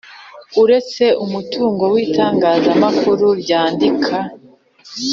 Uretse umutungo w itangazamakuru ryandika